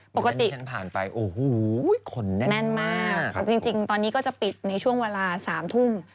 ปกติฉันผ่านไปโอ้โหคนแน่นมากจริงตอนนี้ก็จะปิดในช่วงเวลา๓ทุ่ม